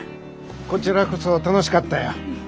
こちらこそ楽しかったよ。